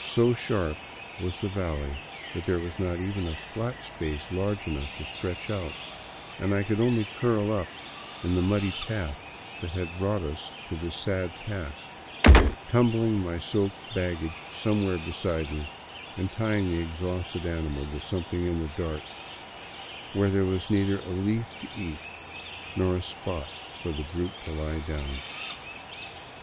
So sharp was the valley that there was not even a flat space large enough to stretch out, and I could only curl up in the muddy path that had brought us to this sad pass, tumbling my soaked baggage somewhere beside me and tying the exhausted animal to something in the dark, where there w^as neither a leaf to eat nor a spot for the brute to lie down in.